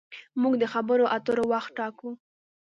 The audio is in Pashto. موږ د خبرو اترو وخت ټاکو.